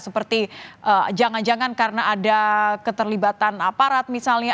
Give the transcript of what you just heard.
seperti jangan jangan karena ada keterlibatan aparat misalnya